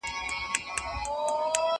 زه پرون مېوې وخوړه،